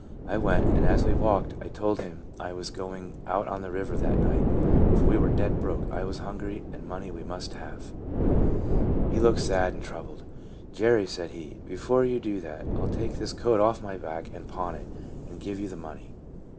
I went ; and as we walked I told him I was going out on the river that night, for we were dead broke, I was hungry, and money we must have. He looked sad and troubled. " Jerry," said he, " before you shall do that, I '11 take this coat off my back and pawn it, and give you the money."